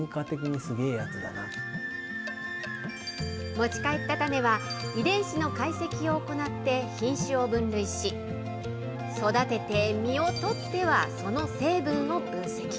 持ち帰った種は、遺伝子の解析を行って品種を分類し、育てて、実を取ってはその成分を分析。